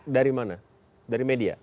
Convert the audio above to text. dari mana dari media